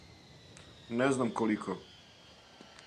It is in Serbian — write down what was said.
Не знам колико.